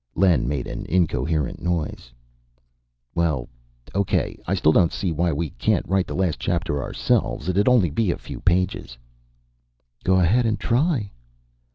Len made an incoherent noise. "Well, okay. I still don't see why we can't write the last chapter ourselves. It'd only be a few pages." "Go ahead and try."